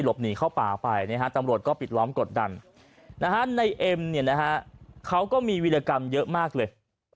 หนีเข้าป่าไปนะฮะตำรวจก็ปิดล้อมกดดันในเอ็มเนี่ยนะฮะเขาก็มีวิรกรรมเยอะมากเลย